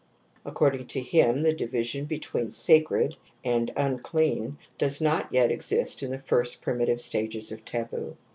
According to him the division between sacred and unclean does not yet exist in the first primitive stages of taboo.